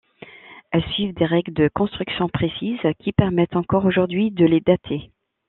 Elles suivent des règles de construction précises qui permettent encore aujourd’hui de les dater.